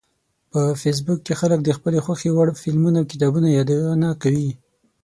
په فېسبوک کې خلک د خپلو خوښې وړ فلمونو او کتابونو یادونه کوي